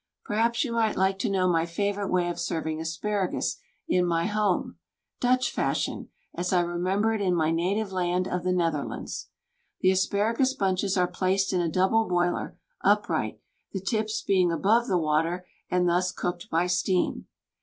Perhaps you might like to know my favorite way of serving asparagus in my home, Dutch fashion, as I re member it in my native land of The Netherlands. The asparagus bunches are placed in a double boiler upright, the tips being above the water, and thus cooked by steam.